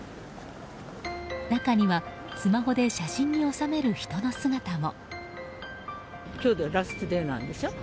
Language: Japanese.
中にはスマホで写真に収める人の姿も。